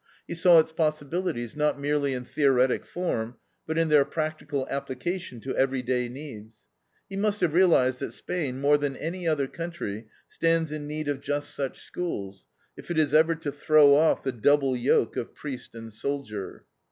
He saw its possibilities, not merely in theoretic form, but in their practical application to every day needs. He must have realized that Spain, more than any other country, stands in need of just such schools, if it is ever to throw off the double yoke of priest and soldier.